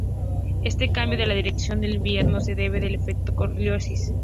Este cambio en la dirección del viento se debe al efecto de Coriolis.